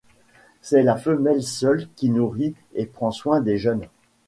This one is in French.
C’est la femelle seule qui nourrit et prend soin des jeunes.